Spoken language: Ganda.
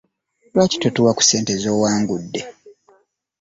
Lwaki totuwa ku ssente z'owangudde?